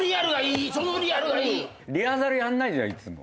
リハーサルやんないじゃんいつも。